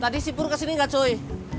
tadi sipur kesini ga soe